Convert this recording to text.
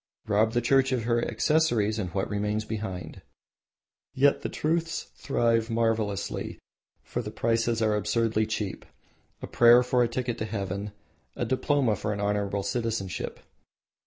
Rob the Church of her accessories and what remains behind? Yet the trusts thrive marvelously, for the prices are absurdly cheap, a prayer for a ticket to heaven, a diploma for an honourable citizenship.